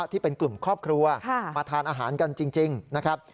ที่เป็นกลุ่มครอบครัวมาทานอาหารกันจริงนะครับ